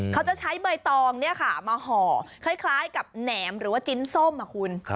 เขาจะใช้ใบตองมาห่อคล้ายกับแหนมหรือว่าจิ้นส้มคุณ